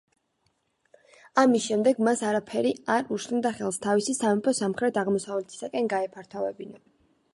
ამის შემდეგ მას არაფერი არ უშლიდა ხელს, თავისი სამეფო სამხრეთ-აღმოსავლეთისკენ გაეფართოვებინა.